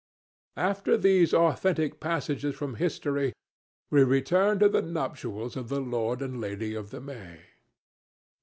After these authentic passages from history we return to the nuptials of the Lord and Lady of the May.